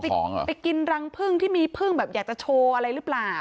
ของเหรอไปกินรังพึ่งที่มีพึ่งแบบอยากจะโชว์อะไรหรือเปล่า